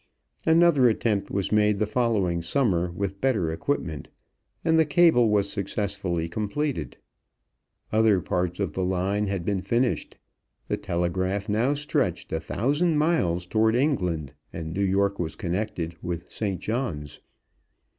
Another attempt was made the following summer with better equipment, and the cable was successfully completed. Other parts of the line had been finished, the telegraph now stretched a thousand miles toward England, and New York was connected with St. John's.